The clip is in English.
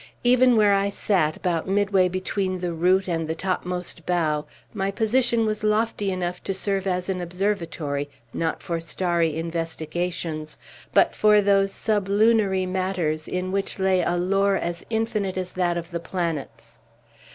Even where I sat, about midway between the root and the topmost bough, my position was lofty enough to serve as an observatory, not for starry investigations, but for those sublunary matters in which lay a lore as infinite as that of the planets.